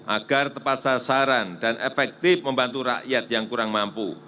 agar tepat sasaran dan efektif membantu rakyat yang kurang mampu